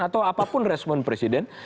atau apapun respon presiden